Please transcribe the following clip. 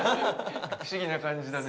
不思議な感じだね。